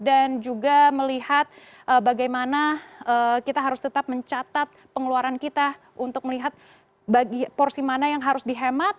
dan juga melihat bagaimana kita harus tetap mencatat pengeluaran kita untuk melihat bagi porsi mana yang harus dihemat